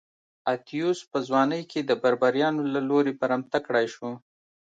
اتیوس په ځوانۍ کې د بربریانو له لوري برمته کړای شو